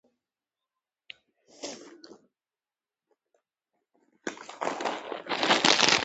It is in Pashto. خو ایا موږ د شرکت پیل کولو لپاره هرڅه لرو